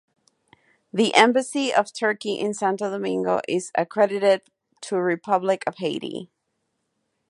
The Embassy of Turkey in Santo Domingo is accredited to Republic of Haiti.